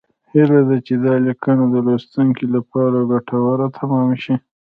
هیله ده چې دا لیکنه د لوستونکو لپاره ګټوره تمامه شي